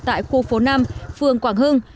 tại khu phố năm phường quảng hưng